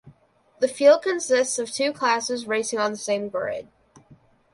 The field consists of two classes racing on the same grid.